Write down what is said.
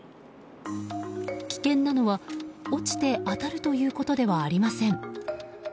危険なのは、落ちて当たるということではありません。